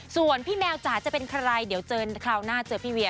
ส่วนพี่แมวจ๋าจะเป็นใครเดี๋ยวเจอคราวหน้าเจอพี่เวีย